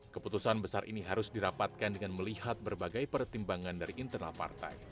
keputusan besar ini harus dirapatkan dengan melihat berbagai pertimbangan dari internal partai